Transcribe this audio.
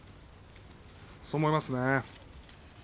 そう思いますね。